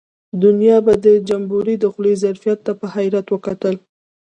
دنیا به د جمبوري د خولې ظرفیت ته په حیرت وکتل.